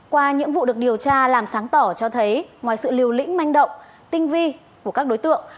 qua nhiệm vụ được điều tra làm sáng tỏ cho thấy ngoài sự liều lĩnh manh động tinh vi của các đối tượng